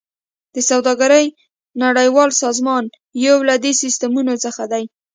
د سوداګرۍ نړیوال سازمان یو له دې سیستمونو څخه دی